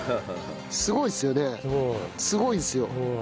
すごいですよねすごいですよ。